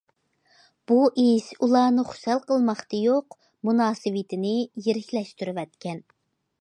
بۇ ئىش ئۇلارنى خۇشال قىلماقتا يوق، مۇناسىۋىتىنى يىرىكلەشتۈرۈۋەتكەن.